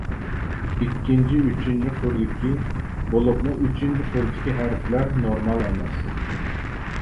ئىككىنچى ئۈچىنچى قۇردىكى بولۇپمۇ ئۈچىنچى قۇردىكى ھەرپلەر نورمال ئەمەس.